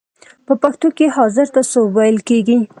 په پښتو کې حاضر ته سوب ویل کیږی.